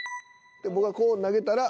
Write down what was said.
僕がこう投げたら。